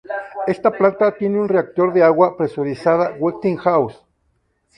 Esta planta tiene un reactor de agua presurizada Westinghouse.